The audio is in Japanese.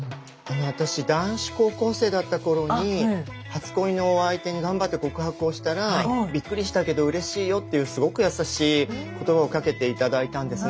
私男子高校生だった頃に初恋のお相手に頑張って告白をしたら「びっくりしたけどうれしいよ」っていうすごく優しい言葉をかけて頂いたんですね。